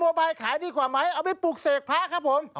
บายขายดีกว่าไหมเอาไปปลูกเสกพระครับผม